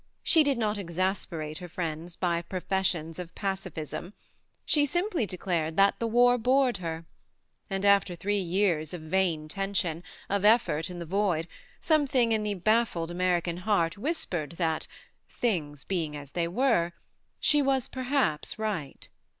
She did not exasperate her friends by professions of pacifism, she simply declared that the war bored her ; and after three years of vain tension, of effort in the void, something in the baffled American heart whispered that, things being as they were, she was perhaps right.